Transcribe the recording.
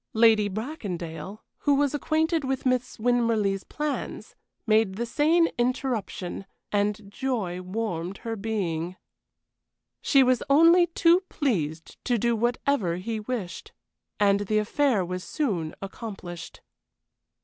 Lady Bracondale, who was acquainted with Miss Winmarleigh's plans, made the same interruption, and joy warmed her being. She was only too pleased to do whatever he wished. And the affair was soon accomplished.